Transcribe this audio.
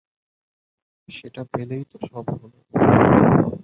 সেটা পেলেই তো সব হল।